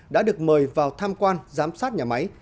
đã được mời vào tham quan giám sát nhà máy